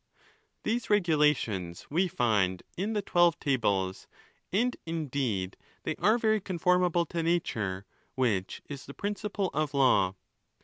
| These regulations we find in the Twelve Tables, and indeed they are very conformable to nature, which is the principle of law.